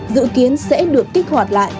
dự kiến sẽ được kích hoạt lại